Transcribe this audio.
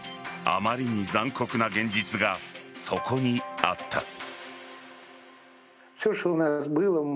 あまりに残酷な現実がそこにあった。